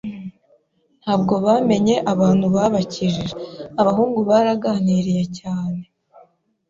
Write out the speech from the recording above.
Ntabwo bamenye abantu babakikije, abahungu baraganiriye cyane.